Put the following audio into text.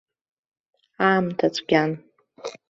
Аамҭа цәгьан.